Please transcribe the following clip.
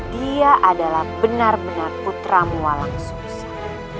dia adalah benar benar putramu walang susah